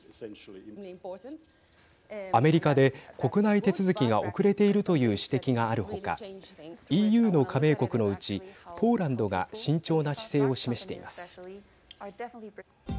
アメリカで国内手続きが遅れているという指摘があるほかＥＵの加盟国のうちポーランドが慎重な姿勢を示しています。